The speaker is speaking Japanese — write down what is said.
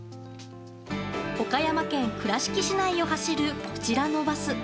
岡山県倉敷市内を走るこちらのバス。